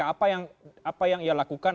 apa yang apa yang ia lakukan